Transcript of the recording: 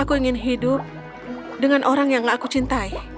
aku ingin hidup dengan orang yang gak aku cintai